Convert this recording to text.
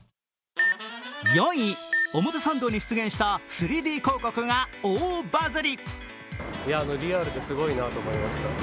４位、表参道に出現した３Ｄ広告が大バズり。